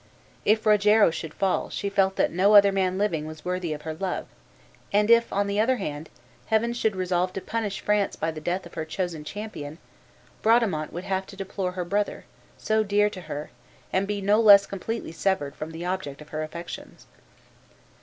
If Rogero should fall she felt that no other man living was worthy of her love; and if, on the other hand, Heaven should resolve to punish France by the death of her chosen champion, Bradamante would have to deplore her brother, so dear to her, and be no less completely severed from the object of her affections.